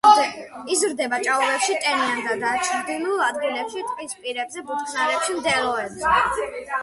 იზრდება ჭაობებში, ტენიან და დაჩრდილულ ადგილებში, ტყის პირებზე, ბუჩქნარებში, მდელოებზე.